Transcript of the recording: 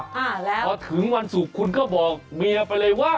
อ่าแล้วพอถึงวันศุกร์คุณก็บอกเมียไปเลยว่า